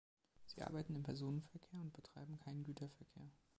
Sie arbeiten im Personenverkehr und betreiben keinen Güterverkehr.